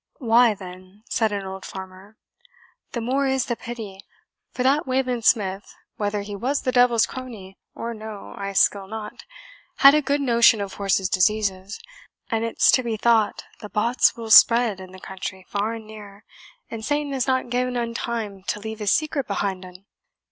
"Why, then," said an old farmer, "the more is the pity; for that Wayland Smith (whether he was the devil's crony or no I skill not) had a good notion of horses' diseases, and it's to be thought the bots will spread in the country far and near, an Satan has not gien un time to leave his secret behind un."